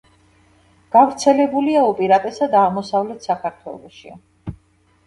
გავრცელებულია უპირატესად აღმოსავლეთ საქართველოში.